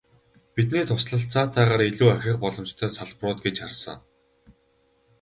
Бидний туслалцаатайгаар илүү ахих боломжтой салбарууд гэж харсан.